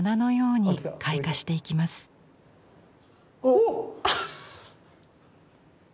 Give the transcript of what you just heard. おっ！